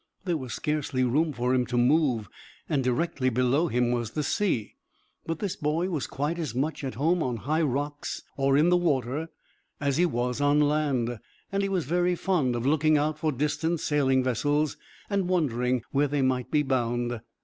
There was scarcely room for him to move, and directly below him was the sea. But this boy was quite as much at home on high rocks or in the water as he was on land, and he was very fond of looking out for distant sailing vessels and wondering where they might be bound.